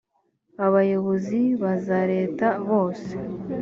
abayobozi ba za leta bose